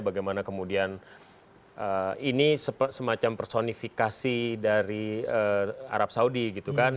bagaimana kemudian ini semacam personifikasi dari arab saudi gitu kan